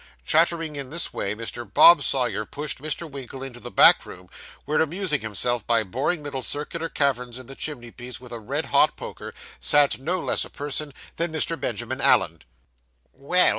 Chattering in this way, Mr. Bob Sawyer pushed Mr. Winkle into the back room, where, amusing himself by boring little circular caverns in the chimney piece with a red hot poker, sat no less a person than Mr. Benjamin Allen. 'Well!